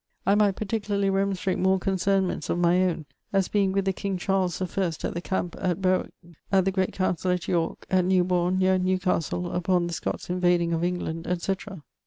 I might perticularly remonstrate more concernements of my owne, as being with the king Charles the first at the camp at Barwick, at the great councill at York, at Newborne nere Newcastle upon the Scots invading of England, et cetera.